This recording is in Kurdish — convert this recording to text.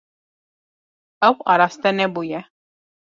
Ew araste nebûye.